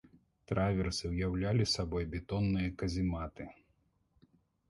Траверсы ўяўлялі сабой бетонныя казематы.